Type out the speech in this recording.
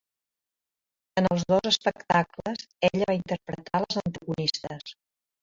En els dos espectacles, ella va interpretar les antagonistes.